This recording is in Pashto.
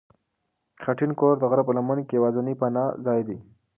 خټین کور د غره په لمن کې یوازینی پناه ځای دی.